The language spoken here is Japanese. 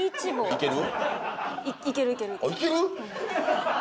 いける？